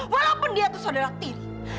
walaupun dia itu saudara tim